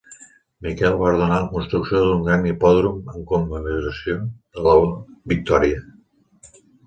Miquel va ordenar la construcció d'un gran hipòdrom en commemoració de la victòria.